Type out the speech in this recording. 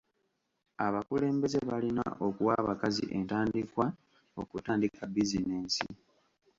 Abakulembeze balina okuwa abakazi entandikwa okutandika bizinesi.